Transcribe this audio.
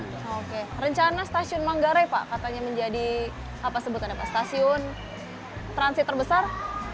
oke rencana stasiun manggarai pak katanya menjadi apa sebutan pak stasiun transit terbesar